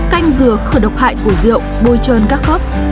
canh dừa khửa độc hại củi rượu bôi trơn các khớp